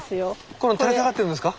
この垂れ下がってるのですか？